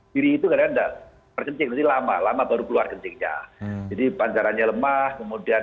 diri itu kadang kadang berkencing lama lama baru keluar kencingnya jadi pancaranya lemah kemudian